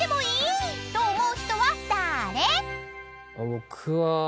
僕は。